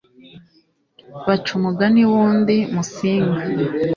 baca umugani wundi ,musinga